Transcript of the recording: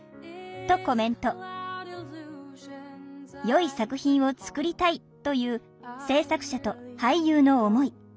「よい作品を作りたい」という制作者と俳優の思い。